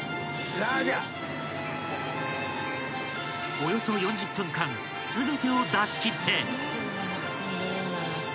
［およそ４０分間全てを出し切って］